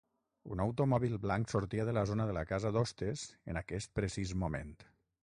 Un automòbil blanc sortia de la zona de la casa d'hostes en aquest precís moment.